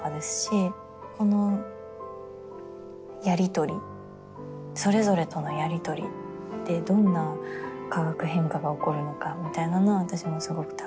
このやりとりそれぞれとのやりとりでどんな化学変化が起こるのかは私もすごく楽しみで。